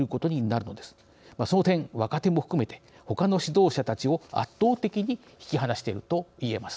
その点若手も含めてほかの指導者たちを圧倒的に引き離しているといえます。